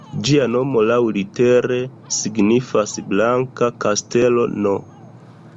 Ĝia nomo laŭlitere signifas "Blanka Kastelo"-n.